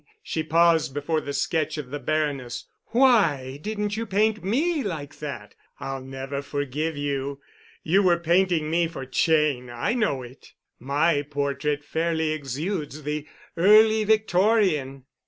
She paused before the sketch of the Baroness. "Why didn't you paint me like that? I'll never forgive you. You were painting me for Cheyne, I know it. My portrait fairly exudes the early Victorian."